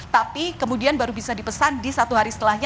tapi kemudian baru bisa dipesan di satu hari setelahnya